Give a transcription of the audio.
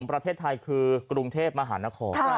ประเทศไทยคือกรุงเทพมหานคร